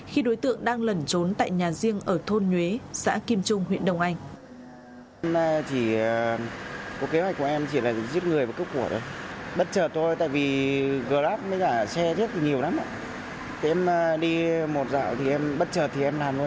khi đối tượng đang lẩn trốn tại nhà riêng ở thôn nhuế xã kim trung huyện đông anh